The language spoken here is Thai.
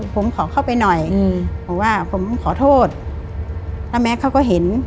ผมขอเข้าไปหน่อยอืมบอกว่าผมขอโทษแล้วแม็กซเขาก็เห็น